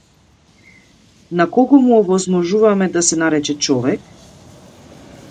На кого му овозможуваме да се нарече човек?